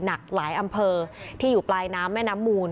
หนักหลายอำเภอที่อยู่ปลายน้ำแม่น้ำมูล